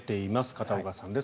片岡さんです。